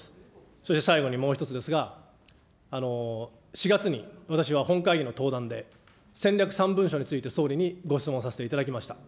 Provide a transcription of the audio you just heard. そして最後にもう１つですが、４月に私は本会議の登壇で、戦略３文書について総理にご質問させていただきました。